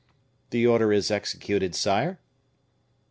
"The order is executed, sire."